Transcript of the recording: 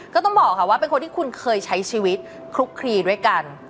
ก็ต้องบอกค่ะว่าเป็นคนที่คุณเคยใช้ชีวิตคลุกคลีด้วยกัน